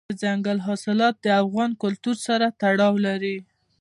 دځنګل حاصلات د افغان کلتور سره تړاو لري.